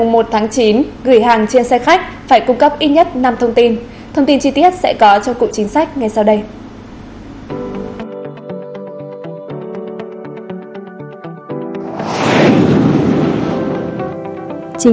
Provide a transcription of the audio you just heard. một lần nữa xin cảm ơn thư tướng về những chia sẻ vừa rồi